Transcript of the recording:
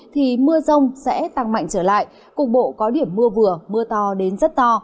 thì mưa rông sẽ tăng mạnh trở lại cục bộ có điểm mưa vừa mưa to đến rất to